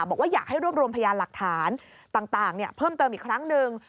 บอกว่าอยากให้รวบรวมพยานหลักฐานต่างเพิ่มเติมอีกครั้งหนึ่ง